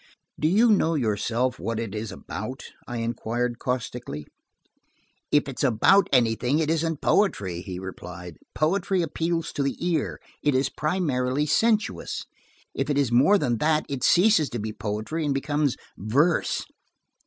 "Do you know yourself what it is about?" I inquired caustically. "If it's about anything, it isn't poetry," he replied. "Poetry appeals to the ear: it is primarily sensuous. If it is more than that it cease to be poetry and becomes verse."